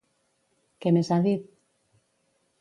Què més ha dit?